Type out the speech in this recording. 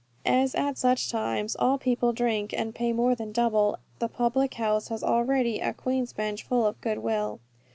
As at such times all people drink and pay more than double, the public house has already a Queensbench ful of good will.